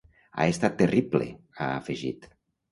Ha estat terrible, ha afegit.